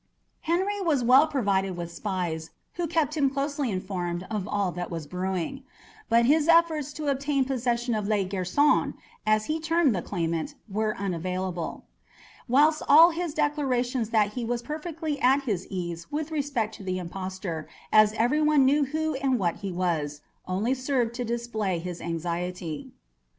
Henry was well provided with spies, who kept him closely informed of all that was brewing; but his efforts to obtain possession of "le garson," as he termed the claimant, were unavailable; whilst all his declarations that he was perfectly at his ease with respect to the "impostor, as every one knew who and what he was," only served to display his anxiety.